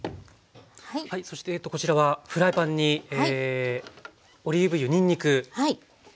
そしてこちらはフライパンにオリーブ油にんにくですね。